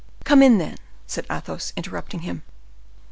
"Come in, then," said Athos, interrupting him.